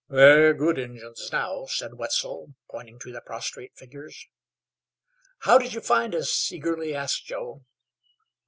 "They're good Injuns now," said Wetzel, pointing to the prostrate figures. "How did you find us?" eagerly asked Joe.